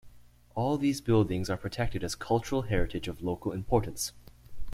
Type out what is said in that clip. All these buildings are protected as cultural heritage of local importance.